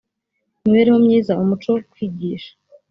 imibereho myiza umuco kwigisha